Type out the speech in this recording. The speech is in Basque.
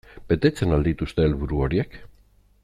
Betetzen al dituzte helburu horiek?